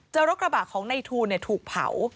รถกระบะของในทูลถูกเผา